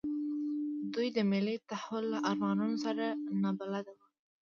دوی د ملي تحول له ارمانونو سره نابلده وو.